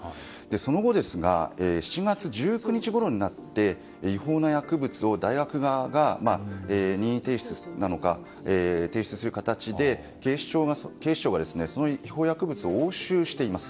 その後、７月１９日ごろになって違法な薬物を大学側が任意提出なのか提出する形で、警視庁がその違法薬物を押収しています。